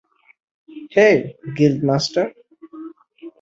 Hey, guild master!